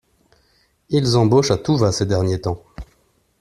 Ils embauchent à tout va ces derniers temps.